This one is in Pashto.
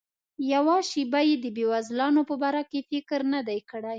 یوه شیبه یې د بېوزلانو په باره کې فکر نه دی کړی.